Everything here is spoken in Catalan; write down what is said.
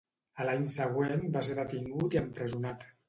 A l'any següent va ser detingut i empresonat.